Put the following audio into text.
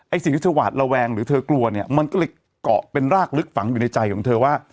สิ่งที่เธอหวาดระแวงหรือเธอกลัวเนี่ยมันก็เลยเกาะเป็นรากลึกฝังอยู่ในใจของเธอว่า